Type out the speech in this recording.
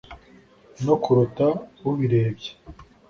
no kubuta ubirebye